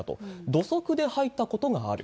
土足で入ったことがある。